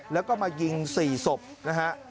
แล้วก็มายิง๔ศพนะฮะ